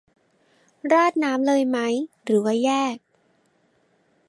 ราดน้ำเลยไหม หรือว่าแยก